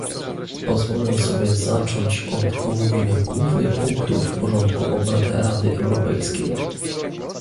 Pozwolę sobie zacząć od omówienia głównych punktów porządku obrad Rady Europejskiej